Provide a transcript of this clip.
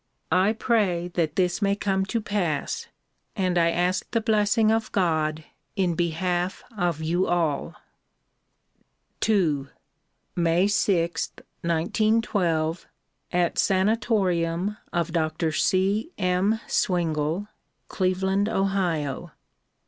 I pray that this may come to pass and I ask the blessing of God in behalf of you all. II 3Iay 6, 1912, at Sanatorium of Dr. C. M. Sivingle, Cleveland, Ohio.